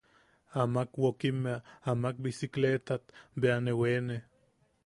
Amak wokimmea, amak bisikleetat bea ne weene.